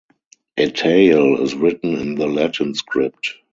Atayal is written in the Latin script.